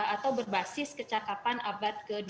atau berbasis kecakapan abad ke dua puluh satu